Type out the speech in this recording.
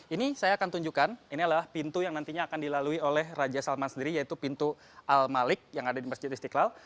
ini saya akan tunjukkan ini adalah pintu yang nantinya akan dilalui oleh raja salman sendiri yaitu pintu al malik yang ada di masjid istiqlal